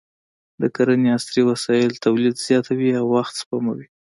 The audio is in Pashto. د کرنې عصري وسایل تولید زیاتوي او وخت سپموي.